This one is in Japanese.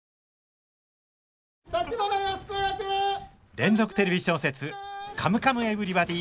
連続テレビ小説「カムカムエヴリバディ」！